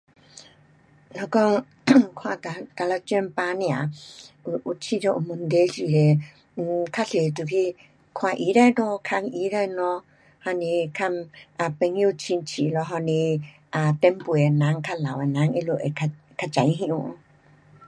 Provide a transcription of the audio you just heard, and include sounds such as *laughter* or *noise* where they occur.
若讲 *coughs* 看哪一种病痛，有，有觉得有问题时刻，um 较多就去看医生咯，问医生咯，还是问 um 朋友亲戚咯，还是 um 前辈的人，较老的人，他们会较，较知晓。